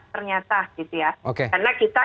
ternyata karena kita